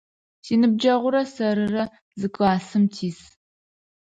Синыбджэгъурэ сэрырэ зы классым тис.